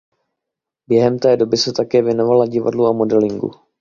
Během té doby se také věnovala divadlu a modelingu.